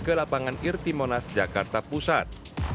ke lapangan irti monas jakarta pusat